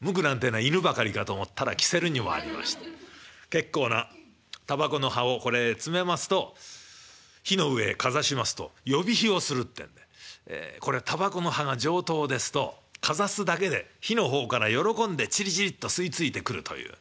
無垢なんてえのは犬ばかりかと思ったら煙管にもありまして結構なタバコの葉をこれへ詰めますと火の上へかざしますと呼び火をするってんでこれタバコの葉が上等ですとかざすだけで火の方から喜んでチリチリッと吸い付いてくるという。